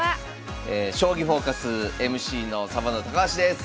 「将棋フォーカス」ＭＣのサバンナ高橋です！